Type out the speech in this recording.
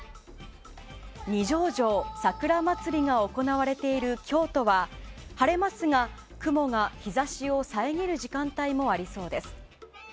二条城桜まつりが行われている京都は晴れますが、雲が日差しを遮る時間帯もありそうです。